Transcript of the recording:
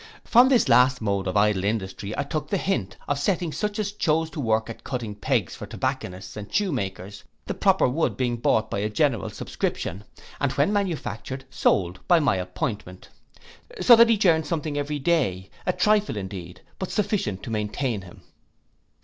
From this last mode of idle industry I took the hint of setting such as chose to work at cutting pegs for tobacconists and shoemakers, the proper wood being bought by a general subscription, and when manufactured, sold by my appointment; so that each earned something every day: a trifle indeed, but sufficient to maintain him.